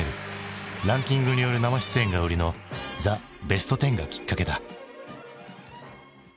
ランキングによる生出演が売りの「ザ・ベストテン」がきっかけだ。